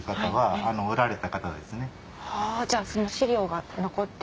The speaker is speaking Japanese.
じゃあ資料が残って？